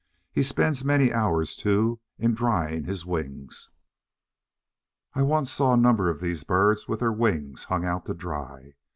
He spends many hours, too, in drying his wings. I once saw a number of these birds with their wings "hung out to dry."